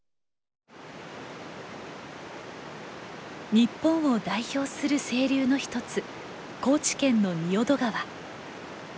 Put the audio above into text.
日本を代表する清流の一つ高知県の仁淀川。